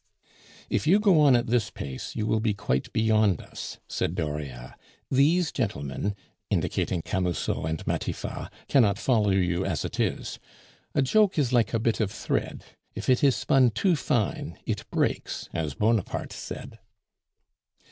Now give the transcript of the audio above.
"If you go on at this pace, you will be quite beyond us," said Dauriat; "these gentlemen" (indicating Camusot and Matifat) "cannot follow you as it is. A joke is like a bit of thread; if it is spun too fine, it breaks, as Bonaparte said."